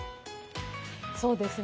そうですね。